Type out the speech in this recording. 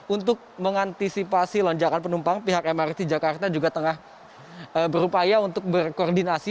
untuk mengantisipasi lonjakan penumpang pihak mrt jakarta juga tengah berupaya untuk berkoordinasi